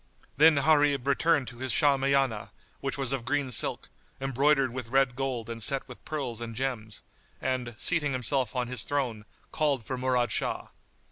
Then Gharib returned to his Shahmiyánah which was of green silk, embroidered with red gold and set with pearls and gems; and, seating himself on his throne, called for Murad Shah.